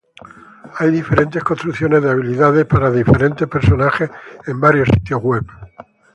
Hay diferentes construcciones de habilidades para diferentes personajes en varios sitios web.